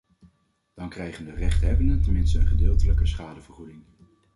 Dan krijgen de rechthebbenden tenminste een gedeeltelijke schadevergoeding.